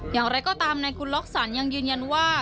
อย่างไรก็ตามในกุลล็อกสรรยังยืนยันว่า